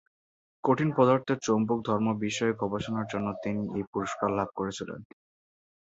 কঠিন পদার্থের চৌম্বক ধর্ম বিষয়ে গবেষণার জন্য তিনি এই পুরস্কার লাভ করেছিলেন।